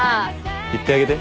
行ってあげて。